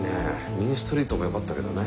「ミーン・ストリート」もよかったけどね。